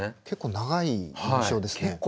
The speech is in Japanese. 結構長い印象ですね。